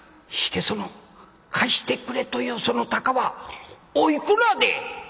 してその貸してくれというその高はおいくらで？」。